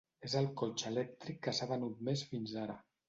És el cotxe elèctric que s'ha venut més fins ara.